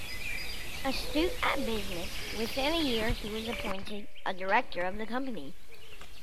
Astute at business, within a year he was appointed a director of the company.